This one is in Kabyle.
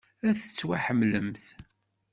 Ad tettwaḥemmlemt.